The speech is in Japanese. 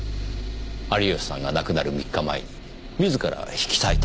有吉さんが亡くなる３日前に自ら引き裂いたという絵ですね。